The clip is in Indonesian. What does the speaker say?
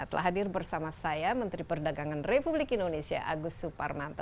telah hadir bersama saya menteri perdagangan republik indonesia agus suparmanto